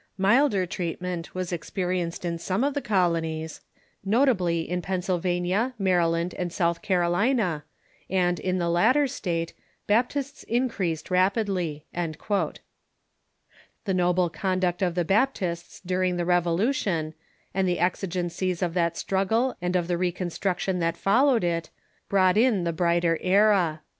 Milder treatment was experienced in some of the colonies, notably in Pennsylvania, Maryland, and South Carolina, and in the latter state Baptists increased rapidly." The noble conduct of the Baptists during the Revolution, and the exigencies of that struggle and of the reconstruction that followed it, brought in the brighter era.